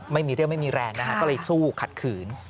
ไม่มีเรื่องไม่มีแรงนะฮะก็เลยสู้ขัดขืน